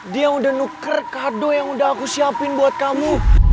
dia udah nuker kado yang udah aku siapin buat kamu